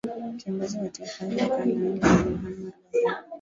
kiongozi wa taifa hilo kanali muhamar gadaffi